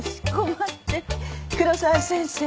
黒沢先生